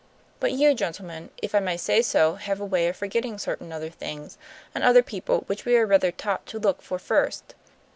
But you gentlemen, if I may say so, have a way of forgetting certain other things and other people which we are rather taught to look for first.